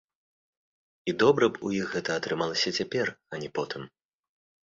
І добра б у іх гэта атрымалася цяпер, а не потым.